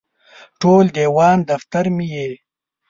ټول دیوان دفتر مې یې